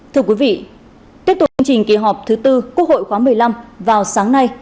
thưa quý vị tiếp tục chương trình kỳ họp thứ tư quốc hội khóa một mươi năm vào sáng nay